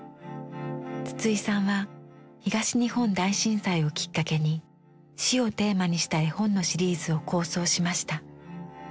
筒井さんは東日本大震災をきっかけに「死」をテーマにした絵本のシリーズを構想しました。